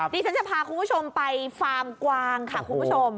ดิฉันจะพาคุณผู้ชมไปฟาร์มกวางค่ะคุณผู้ชม